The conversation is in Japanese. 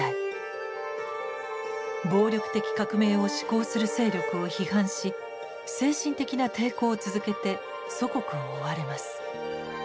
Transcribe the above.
暴力的革命を志向する勢力を批判し精神的な抵抗を続けて祖国を追われます。